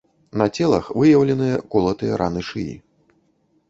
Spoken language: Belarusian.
На целах выяўленыя колатыя раны шыі.